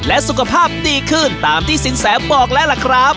และสุขภาพดีขึ้นตามที่สินแสบอกแล้วล่ะครับ